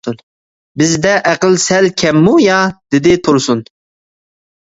— بىزدە ئەقىل سەل كەممۇ يا؟ — دېدى تۇرسۇن.